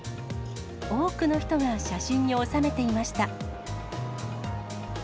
多くの人が写真に収めていました。